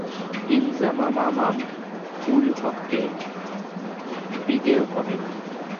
ইনজামামাম-উল-হককে বিদেয় করেন।